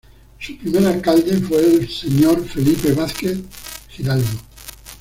Su primer Alcalde fue el Señor Felipe Vásquez Giraldo.